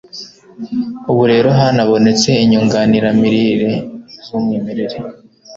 Ubu rero, hanabonetse inyunganiramirire z'umwimerere